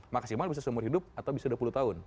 maksimal bisa seumur hidup atau bisa dua puluh tahun